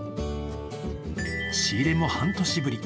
仕入れも半年ぶり。